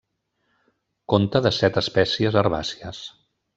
Conta de set espècies herbàcies.